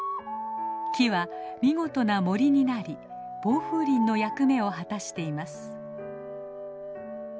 木は見事な森になり防風林の役目を果たしています。